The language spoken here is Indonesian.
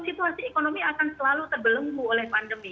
situasi ekonomi akan selalu terbelenggu oleh pandemi